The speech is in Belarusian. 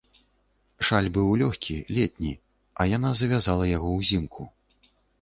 Шаль быў лёгкі, летні, а яна завязала яго ўзімку.